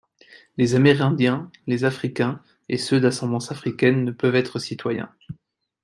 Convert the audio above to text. Les Amérindiens, les Africains et ceux d'ascendance africaine ne peuvent être citoyens.